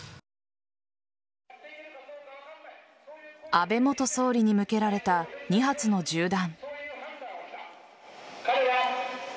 安倍元総理に向けられた２発の銃弾。